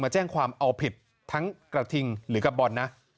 แจ้งความเอาผิดทั้งกระทิงหรือกับบอลนะ